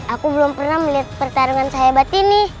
aku belum pernah melihat pertarungan sehebat ini